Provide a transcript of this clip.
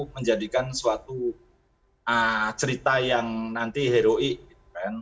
menjadikan suatu cerita yang nanti heroik